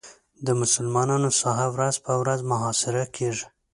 د مسلمانانو ساحه ورځ په ورځ محاصره کېږي.